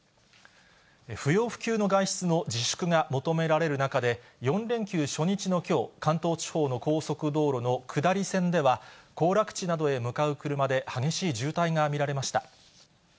不要不急の外出の自粛が求められる中で、４連休初日のきょう、関東地方の高速道路の下り線では、行楽地などへ向かう車で、激しい渋滞が見られました。